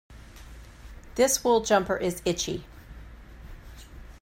This wool jumper is itchy.